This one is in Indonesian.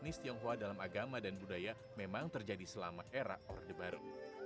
ets tionghoa dalam agama dan budaya memang terjadi selama era orde baru